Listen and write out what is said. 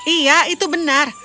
iya itu benar